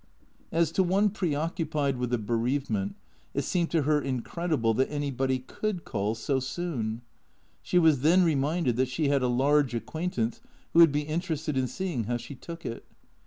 As to one preoccupied with a bereavement, it seemed to her incredible that anybody could call so soon. She was then reminded that she had a large acquaintance who would be inter ested in seeing how she took it.